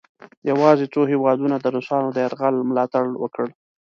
یواځې څو هیوادونو د روسانو د یرغل ملا تړ وکړ.